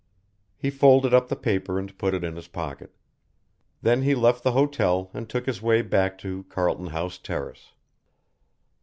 He folded up the paper and put it in his pocket. Then he left the hotel and took his way back to Carlton House Terrace.